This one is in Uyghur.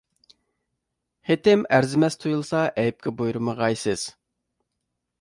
خېتىم ئەرزىمەس تۇيۇلسا ئەيىبكە بۇيرۇمىغايسىز.